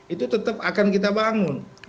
itu tetap akan kita bangun